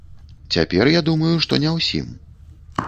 Цяпер я думаю, што не ўсім.